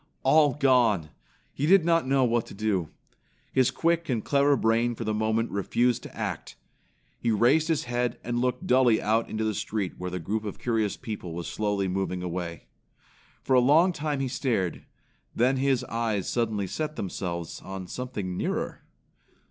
All gone! He did not know what to do. His quick and clever brain for the moment refused to act. He raised his head and looked dully out into the street where the group of curious people was slowly moving away. For a long time he stared, then his eyes suddenly set themselves on something nearer.